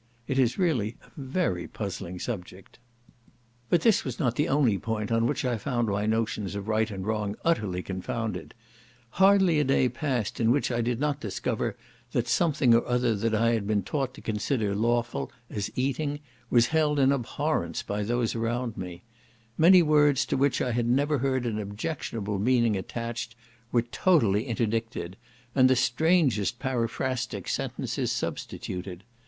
It is really a very puzzling subject. But this was not the only point on which I found my notions of right and wrong utterly confounded; hardly a day passed in which I did not discover that something or other that I had been taught to consider lawful as eating, was held in abhorrence by those around me; many words to which I had never heard an objectionable meaning attached, were totally interdicted, and the strangest paraphrastic sentences substituted.